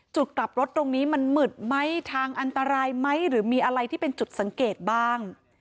จุดกลับรถตรงนี้มันมืดไหมทางอันตรายไหมหรือมีอะไรที่เป็นจุดสังเกตบ้าง